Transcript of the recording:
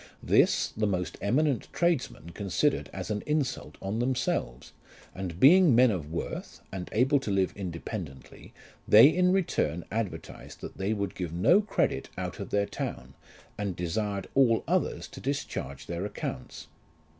This the most eminent tradesmen considered as an insult on themselves, and being men of worth, and able to live independently, they in return advertised that they would give no credit out of their town, and desired all others to discharge their accounts.